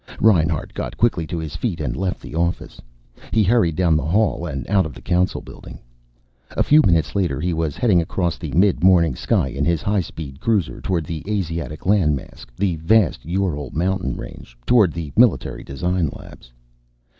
Reinhart got quickly to his feet and left the office. He hurried down the hall and out of the Council building. A few minutes later he was heading across the mid morning sky in his highspeed cruiser, toward the Asiatic land mass, the vast Ural mountain range. Toward the Military Designs labs.